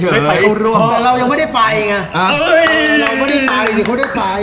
แต่เรายังไม่ได้ไปเนี่ย